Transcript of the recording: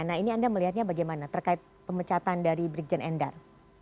nah ini anda melihatnya bagaimana terkait pemecatan dari brigjen endar